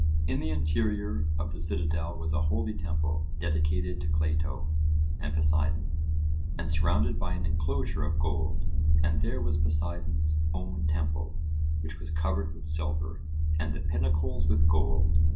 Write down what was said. In the interior of the citadel was a holy temple, dedicated to Cleito and Poseidon, and surrounded by an enclosure of gold, and there was Poseidon's own temple, which was covered with silver, and the pinnacles with gold.